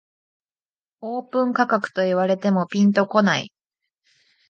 オープン価格と言われてもピンとこない